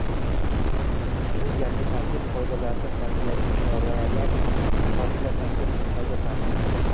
Bu yangi tartib-qoidalarni tarbiyaviy choralar sifatida taqdim qilmagan ma’qul.